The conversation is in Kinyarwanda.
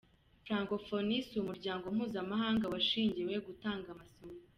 Francophonie si umuryango mpuzamahanga washingiwe gutanga amasomo.”